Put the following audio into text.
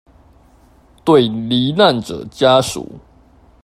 對罹難者家屬